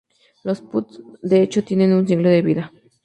Los pods de hecho tienen un ciclo de vida.